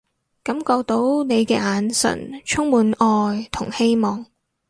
感覺到你嘅眼神充滿愛同希望